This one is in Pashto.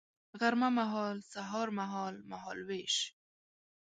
غرمه مهال سهار مهال ، مهال ویش